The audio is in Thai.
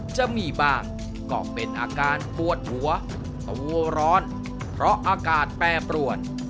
จะมีบ้างก็เป็นอาการปวดหัวตัวร้อนเพราะอากาศแปรปรวน